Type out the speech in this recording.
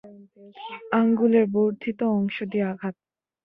আঙ্গুলের বর্ধিত অংশ দিয়ে আঘাত।